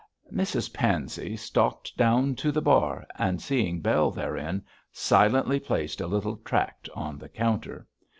Mrs Pansey stalked down to the bar, and seeing Bell therein, silently placed a little tract on the counter.